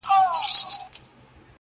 چي ستا تر تورو غټو سترگو اوښكي وڅڅيږي.